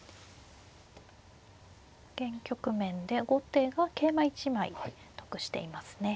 現局面で後手が桂馬１枚得していますね。